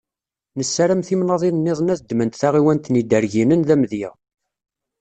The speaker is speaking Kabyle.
Nessaram timnaḍin-nniḍen ad ddment taɣiwant n Iderginen d amedya.